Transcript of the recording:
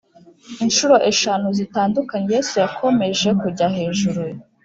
incuro eshanu zitandukanye Yesu yakomeje kujya hejuru